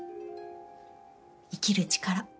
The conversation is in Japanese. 生きる力。